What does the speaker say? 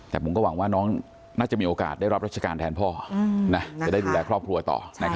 แต่ผมก็หวังว่าน้องน่าจะมีโอกาสได้รับรัชการแทนพ่อจะได้ดูแลครอบครัวต่อ